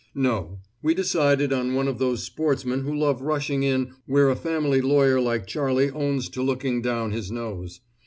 "No. We decided on one of those sportsmen who love rushing in where a family lawyer like Charlie owns to looking down his nose.